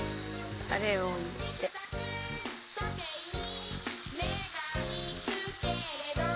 「時計に目がいくけれど」